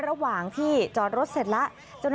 ระหว่างที่จอดรถเสร็จแล้ว